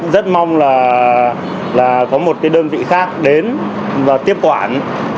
rất mong là có một đơn vị khác đến và tiếp quản